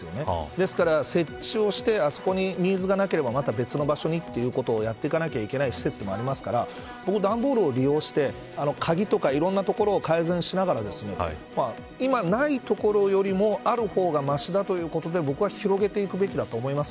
ですから、設置をしてそこにニーズがなければ別の場所にということをやっていかなければいけない施設でもありますから段ボールを利用して、鍵とかいろんなところを改善しながら今、ない所よりもある方がましだということで僕は広げていくべきだと思います。